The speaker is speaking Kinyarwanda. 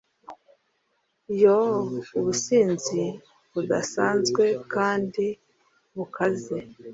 yoo! ubusinzi budasanzwe kandi bukaze